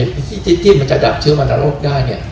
คนที่มันจะดับเชื่อวนโลกได้